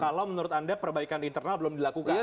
kalau menurut anda perbaikan internal belum dilakukan